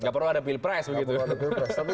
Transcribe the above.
nggak perlu ada pilpres begitu